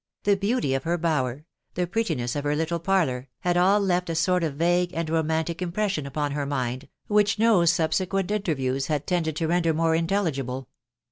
the beauty of her bower, the prettiness of her Tittle parlour, had all left a sort of vague and romantic im pression upon her mind, which no subsequent interviews had sstiaaec. *• render more intcftlrgibfte.